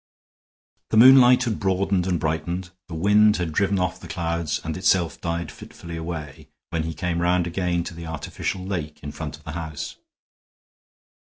The moonlight had broadened and brightened, the wind had driven off the clouds and itself died fitfully away, when he came round again to the artificial lake in front of the house.